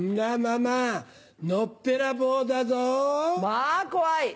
まぁ怖い。